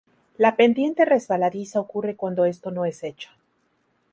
La pendiente resbaladiza ocurre cuando esto no es hecho.